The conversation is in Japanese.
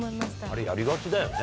あれやりがちだよね。